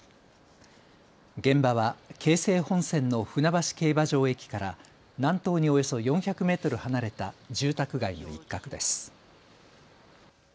現場は京成本線の船橋競馬場駅から南東におよそ４００メートル離れた住宅街の一角です。